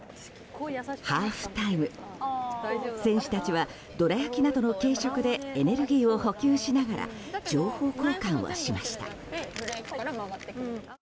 ハーフタイム、選手たちはどら焼きなどの軽食でエネルギーを補給しながら情報交換をしました。